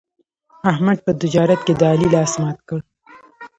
احمد په تجارت کې د علي لاس مات کړ.